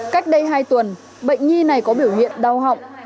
cách đây hai tuần bệnh nhi này có biểu hiện đau họng